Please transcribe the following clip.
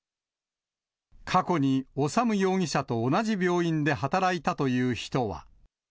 過去に修容疑者と同じ病院で働いたという人は。